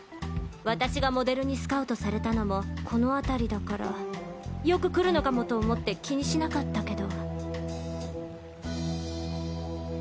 私がモデルにスカウトされたのもこのあたりだからよく来るのかもと思って気にしなかったけど。